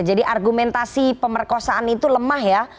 jadi argumentasi pemerkosaan itu lemah ya